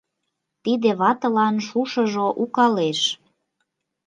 Тиде ватылан шушыжо укалеш.